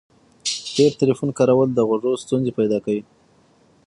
ډیر ټلیفون کارول د غوږو ستونزي پیدا کوي.